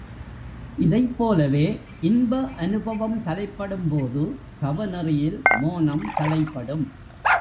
இதைப் போலவே, இன்ப அநுபவம் தலைப்படும்போது தவ நெறியில் மோனம் தலைப்படும்.